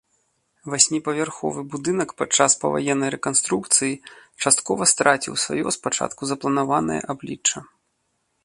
Васьміпавярховы будынак падчас паваеннай рэканструкцыі часткова страціў сваё спачатку запланаванае аблічча.